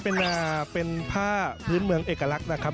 ก็อันนี้เป็นผ้าพื้นเมืองเอกลักษณ์นะครับ